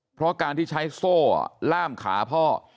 เพราะการที่ใช้โซ่ล่ามขาพ่อ